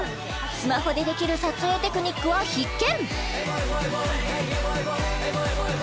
スマホでできる撮影テクニックは必見！